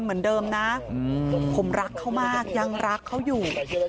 เหมือนเดิมนะผมรักเขามากยังรักเขาอยู่